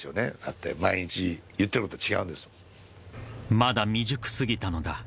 ［まだ未熟過ぎたのだ］